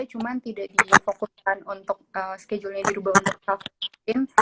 cuma tidak di fokuskan untuk schedule nya di rumah untuk self quarantine